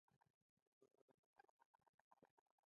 د نجونو تعلیم د ناروغیو پوهاوي زیاتولو مرسته کوي.